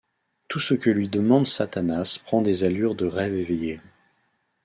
Tout ce que lui demande Satanas prend des allures de rêves éveillés...